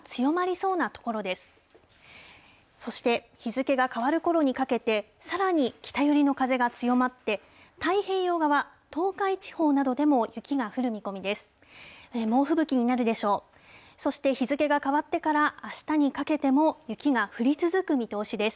そして、日付が変わるころにかけて、さらに北寄りの風が強まって、太平洋側、東海地方などでも雪が降る見込みです。